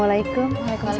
untuk meraih bu sangha